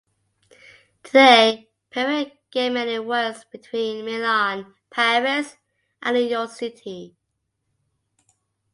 Today Piero Gemelli works between Milan, Paris, and New York City.